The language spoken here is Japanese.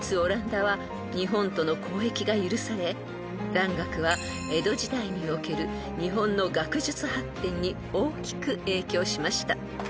［蘭学は江戸時代における日本の学術発展に大きく影響しました］